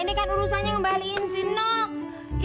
ini kan urusannya ngembaliin si nok